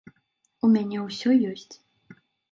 У мяне ўсё ёсць.